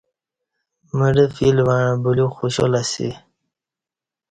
مڑہ فیل وعݩہ بلیوک خوشال اسی